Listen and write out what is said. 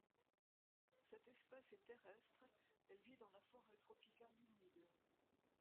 Cette espèce est terrestre, elle vit dans la forêt tropicale humide.